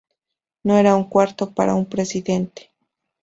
No era un cuarto para un presidente".